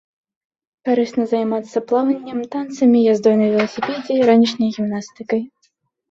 Карысна займацца плаваннем, танцамі, яздой на веласіпедзе і ранішняй гімнастыкай.